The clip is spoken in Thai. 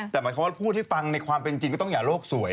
แต่หมายความว่าพูดให้ฟังในความเป็นจริงก็ต้องอย่าโลกสวย